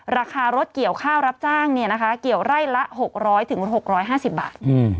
ราคารถเกี่ยวข้าวรับจ้างเกี่ยวไร่ละ๖๐๐๖๕๐บาท